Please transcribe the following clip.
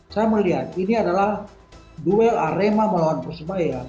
saya melihat ini adalah duel arema melawan persebaya